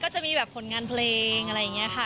จะมีแบบผลงานเพลงอะไรอย่างนี้ค่ะ